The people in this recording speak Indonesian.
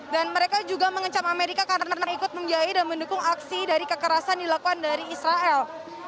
dan mereka juga mengecam amerika karena ikut membiayai dan mendukung aksi dari kekerasan dilakukan dari israel